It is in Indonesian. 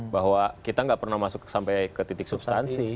bahwa kita nggak pernah masuk sampai ke titik substansi